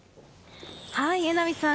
榎並さん